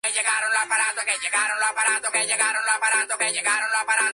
El condado de Tolosa volvió a la familia Rouergue.